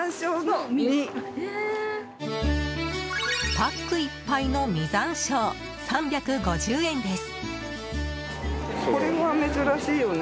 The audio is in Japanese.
パックいっぱいの実山椒３５０円です。